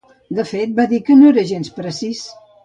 De fet, va dir, ell no era gens precís.